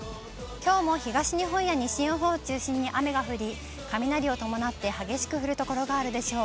きょうも東日本や西日本を中心に雨が降り、雷を伴って激しく降る所があるでしょう。